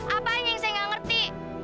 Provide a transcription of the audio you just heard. apa aja yang saya gak ngerti